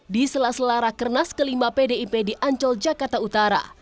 di selaselara kernas kelima pdip di ancol jakarta utara